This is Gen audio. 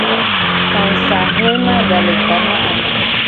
Kasa hlena da le ta na ame.